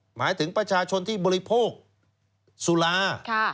หมายถึงประชาชนที่บริโภคสุรา